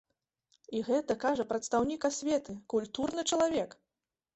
І гэта кажа прадстаўнік асветы, культурны чалавек!